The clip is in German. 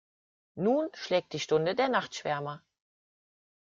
Nun schlägt die Stunde der Nachtschwärmer.